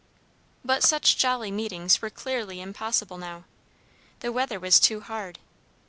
But such jolly meetings were clearly impossible now. The weather was too hard.